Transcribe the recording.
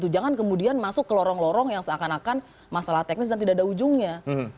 jangan kemudian masuk ke lorong lorong yang seakan akan masalah teknis dan tidak ada ujungnya